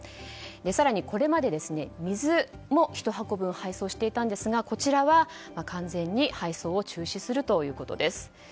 更に、これまで水も１箱分配送していたんですがこちらは完全に配送を中止するということです。